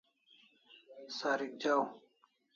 Sarikjaw